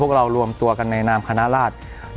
เรารวมตัวกันในนามคณะราช